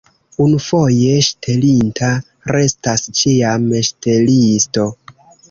Unufoje ŝtelinta restas ĉiam ŝtelisto.